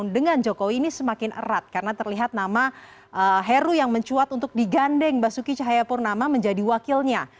dan jokowi ini semakin erat karena terlihat nama heru yang mencuat untuk digandeng basuki cahayapurnama menjadi wakilnya